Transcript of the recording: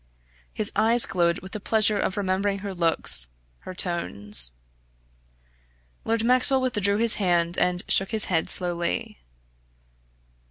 His eyes glowed with the pleasure of remembering her looks, her tones. Lord Maxwell withdrew his hand and shook his head slowly.